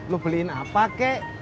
lu beliin apa kek